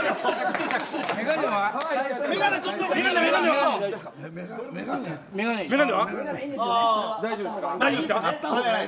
眼鏡、大丈夫ですか。